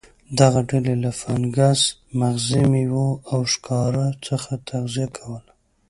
دغه ډلې له فنګس، مغزي میوو او ښکار څخه تغذیه کوله.